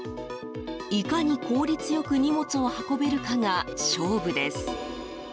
いかに効率よく荷物を運べるかが勝負です。